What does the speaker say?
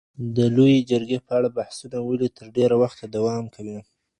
د لویې جرګي په اړه بحثونه ولي تر ډېره وخته دوام کوي؟